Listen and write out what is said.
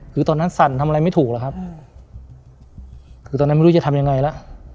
คือตอนนั้นสั่นทำอะไรไม่ถูกหรอกครับคือตอนนั้นไม่รู้จะทำยังไงแล้ว